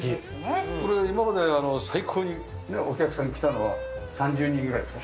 これ今まで最高にお客さんが来たのは３０人ぐらいですか？